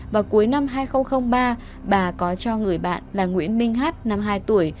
vào cuối năm hai nghìn ba bà có cho người bạn là nguyễn minh hát năm hai tuổi